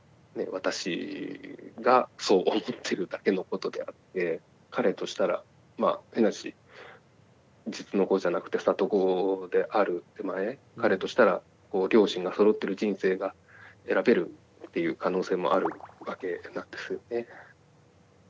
私がそう思ってるだけのことであって彼としたら変な話実の子じゃなくて里子である手前彼としたらこう両親がそろってる人生が選べるっていう可能性もあるわけなんですね